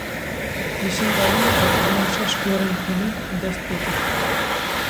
Li Şingalê vekirina şeş gorên komî dest pê kir.